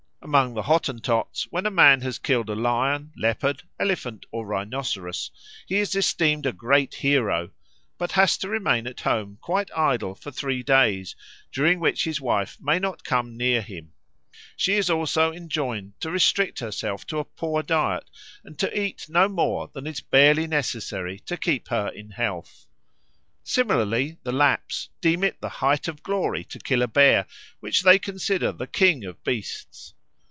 Among the Hottentots, when a man has killed a lion, leopard, elephant, or rhinoceros, he is esteemed a great hero, but he has to remain at home quite idle for three days, during which his wife may not come near him; she is also enjoined to restrict herself to a poor diet and to eat no more than is barely necessary to keep her in health. Similarly the Lapps deem it the height of glory to kill a bear, which they consider the king of beasts.